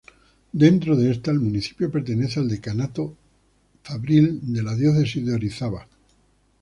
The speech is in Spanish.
Dentro de esta, el municipio pertenece al Decanato Fabril de la Diócesis de Orizaba.